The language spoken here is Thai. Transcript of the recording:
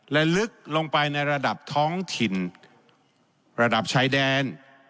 และลึกลงไปในระดับท้องถิ่นระดับชายแดน